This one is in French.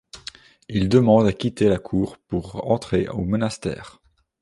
Il demande à quitter la cour pour entrer au monastère.